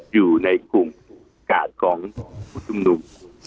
อยู่ในกลุ่มกาดของผู้ชุมนุม